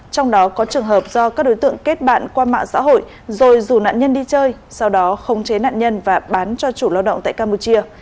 trong đó có trường hợp do các đối tượng kết bạn qua mạng xã hội rồi rủ nạn nhân đi chơi sau đó không chế nạn nhân và bán cho chủ lao động tại campuchia